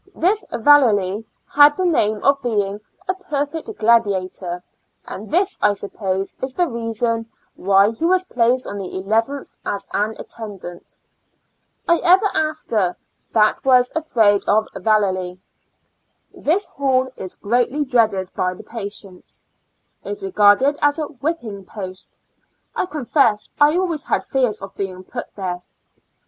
This Vallerly had the name of being a perfect gladiator, and this, I suppose, is the reason why he was placed on the eleventh as an attendant. I ever after that was afraid of Yallerly. This hall is greatly dreaded by the patients; is regarded as a IN A L UNA TIC A STL U3I. ^ 3 3 "vvliipping post. I confess I always had fears of being put there.